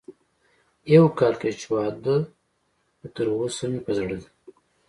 يو کال کېږي چې واده خو تر اوسه مې په زړه ده